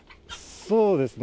そうですね。